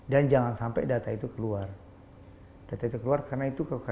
dan jangan sampai data itu keluar data itu keluar karena itu kekayaan